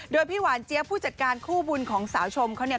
โดยพี่หวานเจี๊ยบผู้จัดการคู่บุญของสาวชมเขาเนี่ย